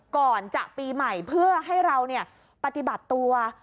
ก่อนจะปีใหม่เพื่อให้เราปฏิบัติตัว